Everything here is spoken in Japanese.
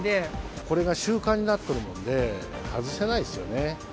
これが習慣になっているので、外せないですよね。